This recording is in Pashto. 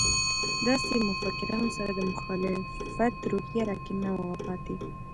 داسې مفکرانو سره د مخالفت روحیه راکې پاتې نه وه.